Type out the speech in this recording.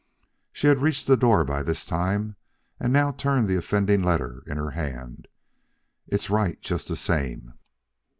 She had reached the door by this time, and now turned the offending letter in her hand. "It's right just the same."